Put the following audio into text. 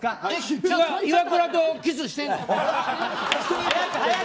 イワクラとキスしてんの。